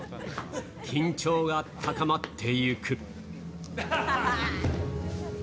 緊張が高まっていく。